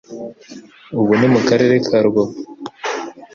ubu ni mu Karere ka Rubavu